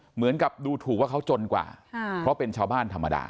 เหมือนกับดูถูกว่าเขาจนกว่าเพราะเป็นชาวบ้านธรรมดา